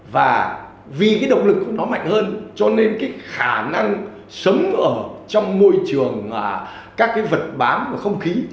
và vì cái độc lực của nó mạnh hơn cho nên cái khả năng sống ở trong môi trường các cái vật bám không khí